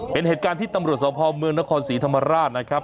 เป็นเหตุการณ์ที่ตำรวจสพเมืองนครศรีธรรมราชนะครับ